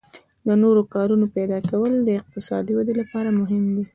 د نوو کارونو پیدا کول د اقتصادي ودې لپاره مهم دي.